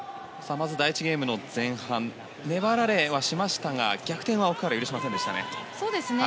まず第１ゲームの前半粘られはしましたが逆転は奥原、許しませんでしたね。